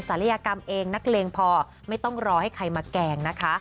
ลัยกรรมเองนักเลงพอไม่ต้องรอให้ใครมาแกล้งนะคะ